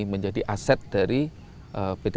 menjadi aset dari pt